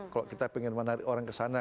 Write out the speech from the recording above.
kalau kita ingin menarik orang ke sana